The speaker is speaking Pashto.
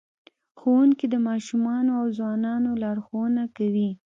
ښوونکی د ماشومانو او ځوانانو لارښوونه کوي.